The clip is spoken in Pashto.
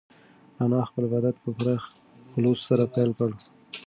انا خپل عبادت په پوره خلوص سره پیل کړ.